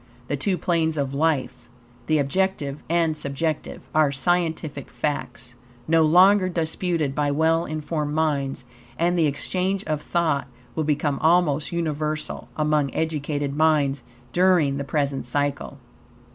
The two planes of life, the objective and subjective, are scientific facts, no longer disputed by well informed minds, and the exchange of thought will become almost universal among educated minds during the present cycle.